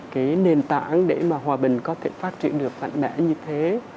cái nền tảng để mà hòa bình có thể phát triển được mạnh mẽ như thế